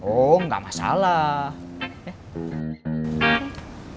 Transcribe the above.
oh nggak masalah